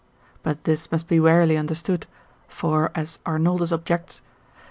But this must be warily understood, for as Arnoldus objects, lib.